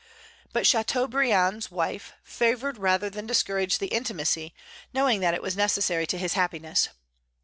But Châteaubriand's wife favored rather than discouraged the intimacy, knowing that it was necessary to his happiness.